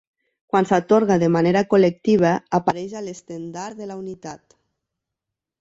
Quan s'atorga de manera col·lectiva, apareix a l'estendard de la unitat.